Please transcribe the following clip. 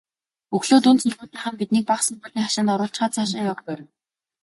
Өглөө дунд сургуулийнхан биднийг бага сургуулийн хашаанд оруулчихаад цаашаа явна.